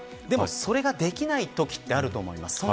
でも、それができないときってあると思います。